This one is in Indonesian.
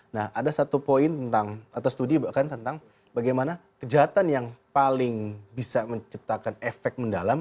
nah ada satu poin tentang atau studi bahkan tentang bagaimana kejahatan yang paling bisa menciptakan efek mendalam